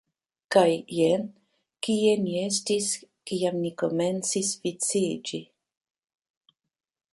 Kaj jen kie ni estis kiam ni komencis viciĝi